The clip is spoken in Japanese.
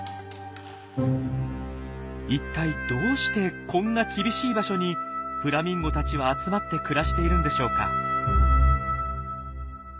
一体どうしてこんな厳しい場所にフラミンゴたちは集まって暮らしているんでしょうか。